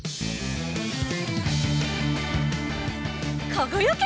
かがやけ！